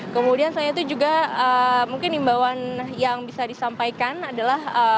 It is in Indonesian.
kemudian selain itu juga mungkin imbauan yang bisa disampaikan adalah